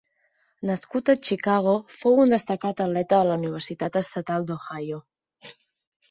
Nascut a Chicago, fou un destacat atleta a la Universitat Estatal d'Ohio.